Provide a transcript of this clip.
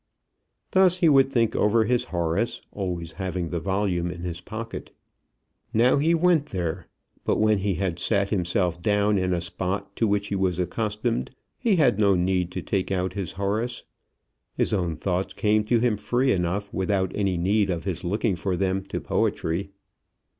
Thus he would think over his Horace, always having the volume in his pocket. Now he went there. But when he had sat himself down in a spot to which he was accustomed, he had no need to take out his Horace. His own thoughts came to him free enough without any need of his looking for them to poetry.